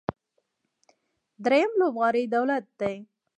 درېیم لوبغاړی دولت دی.